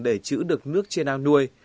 để chữ được nước trên ao nuôi